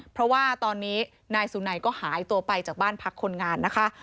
เพราะว่าตอนนี้นายสุนัยก็หายตัวไปจากบ้านพักคนงานนะคะ